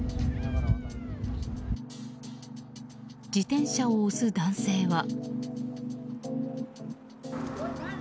自転車を押す男性は。